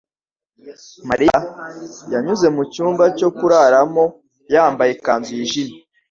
Mariya yanyuze mu cyumba cyo kuraramo yambaye ikanzu yijimye.